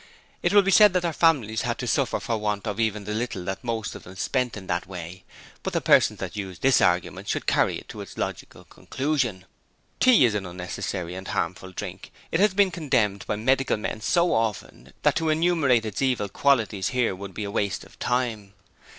It will be said that their families had to suffer for want of even the little that most of them spent in that way: but the persons that use this argument should carry it to its logical conclusion. Tea is an unnecessary and harmful drink; it has been condemned by medical men so often that to enumerate its evil qualities here would be waste of time.